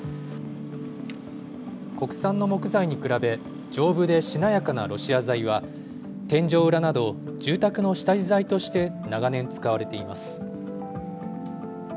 国産の木材に比べ、丈夫でしなやかなロシア材は、天井裏など、住宅の下地材として長年使われています。